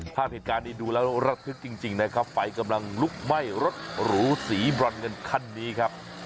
ภาพเหตุการณ์นี้ดูแล้วระทึกจริงนะครับไฟกำลังลุกไหม้รถหรูสีบรอนเงินคันนี้ครับ